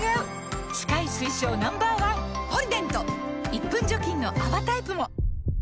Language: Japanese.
１分除菌の泡タイプも！